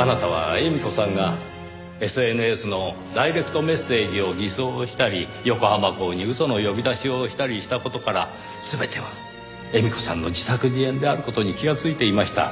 あなたは絵美子さんがＳＮＳのダイレクトメッセージを偽装したり横浜港に嘘の呼び出しをしたりした事から全ては絵美子さんの自作自演である事に気がついていました。